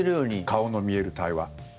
顔の見える対話。